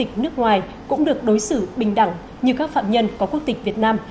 các phạm nhân nước ngoài cũng được đối xử bình đẳng như các phạm nhân có quốc tịch việt nam